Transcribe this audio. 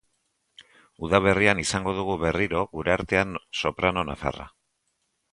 Udaberrian izango dugu berriro gure artean soprano nafarra.